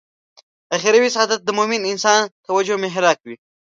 اخروي سعادت د مومن انسان توجه محراق وي.